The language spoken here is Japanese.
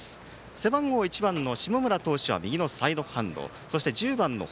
背番号１番の下村投手は右のサイドハンド。